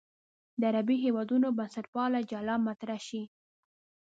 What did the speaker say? د عربي هېوادونو بنسټپالنه جلا مطرح شي.